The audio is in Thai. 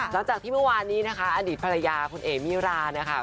หลังจากที่เมื่อวานนี้นะคะอดีตภรรยาคุณเอ๋มิรานะคะ